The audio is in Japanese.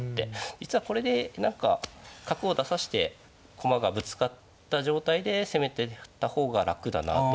実はこれで何か角を出さして駒がぶつかった状態で攻めていった方が楽だなと。